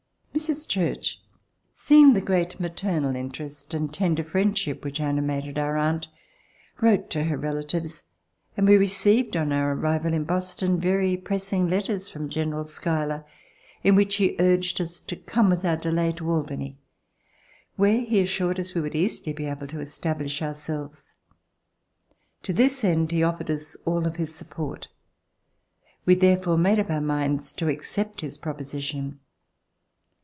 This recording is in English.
Mrs. Church, seeing the great maternal Interest and tender friendship which animated our aunt, wrote to her relatives, and we received on our arrival in Boston very pressing letters from General Schuyler in which he urged us to come without delay to Al bany, where he assured us we would easily be able to establish ourselves. To this end he offered us all of his support. We therefore made up our minds to accept his proposition.